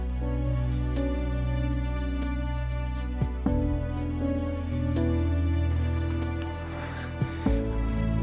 terima kasih ramah